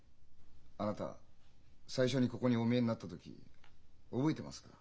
あなた最初にここにお見えになった時覚えてますか？